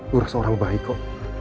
bu rosa orang baik kok